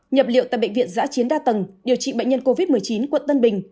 nhập liệu tại bệnh viện giã chiến đa tầng điều trị bệnh nhân covid một mươi chín quận tân bình